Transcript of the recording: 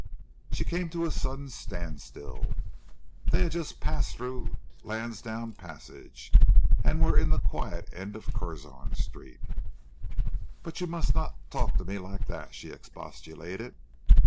She came to a sudden standstill. They had just passed through Lansdowne Passage and were in the quiet end of Curzon Street. "But you must not talk to me like that!" she expostulated.